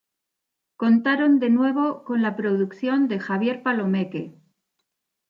Contaron de nuevo con la producción de Javier Palomeque.